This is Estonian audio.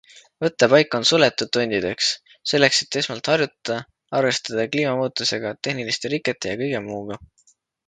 Võttepaik on suletud tundideks, selleks et esmalt harjutada, arvestada kliimamuutustega, tehniliste rikete ja kõige muuga.